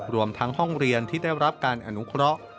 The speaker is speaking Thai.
รวมทั้งห้องเรียนที่ได้รับการอนุเคราะห์